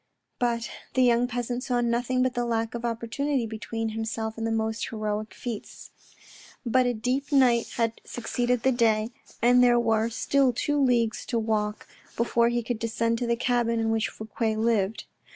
But the young peasant saw nothing but the lack of opportunity between himself and the most heroic feats. But a deep night had succeeded the day, and there were still two leagues to walk before he could descend to the cabin in which Fouque lived.